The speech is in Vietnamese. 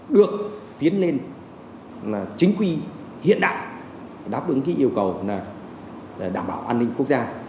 được tiến lên chính quy hiện đại đáp ứng cái yêu cầu đảm bảo an ninh quốc gia